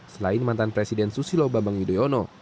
selain mantan presiden susilo bambang yudhoyono